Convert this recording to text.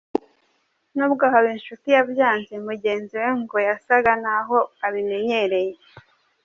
Nubwo Habinshuti yabyanze, mugenzi we ngo yasaga n’aho abimenyereye.